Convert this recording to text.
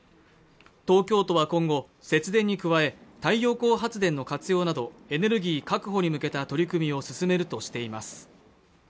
東京都は今後節電に加え太陽光発電の活用などエネルギー確保に向けた取り組みを進めるとしています